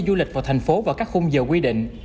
du lịch vào thành phố vào các khung giờ quy định